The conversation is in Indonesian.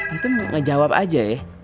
antum ngejawab aja ya